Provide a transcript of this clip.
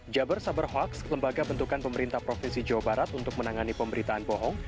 jabar saber hoax lembaga bentukan pemerintah provinsi jawa barat untuk menangani pemberitaan bohong